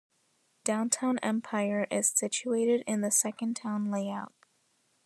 Downtown Empire is situated in the second town layout.